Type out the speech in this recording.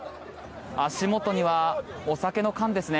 足元にはお酒の缶ですね。